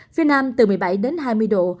phía nam từ một mươi bảy hai mươi độ